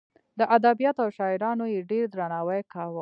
د ادبیاتو او شاعرانو یې ډېر درناوی کاوه.